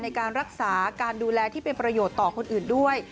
ในการรักษาการดูแลที่เป็นประโยชน์ต่อคนอื่นด้วย